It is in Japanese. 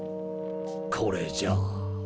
これじゃあ。